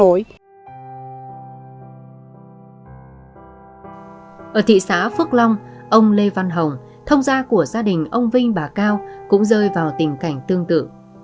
ở thị xã phước long ông lê văn hồng thông gia của gia đình ông vinh bà cao cũng rơi vào tình cảnh tương tự